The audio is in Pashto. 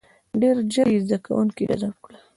• ډېر ژر یې زده کوونکي جذب کړل.